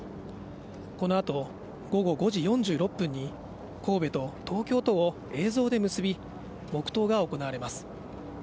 このあと午後５時４６分に、神戸と東京とを映像で結び、黙とうが行われます。